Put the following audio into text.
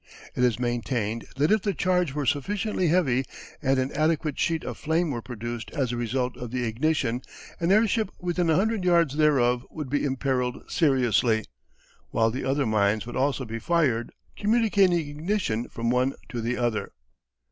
It is maintained that if the charge were sufficiently heavy and an adequate sheet of flame were produced as a result of the ignition, an airship within a hundred yards thereof would be imperilled seriously, while the other mines would also be fired, communicating ignition from one to the other.